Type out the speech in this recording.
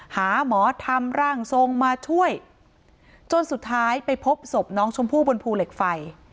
หาหมอทำร่างทรงมาช่วยจนสุดท้ายไปพบศพน้องชมพู่บนภูเหล็กไฟ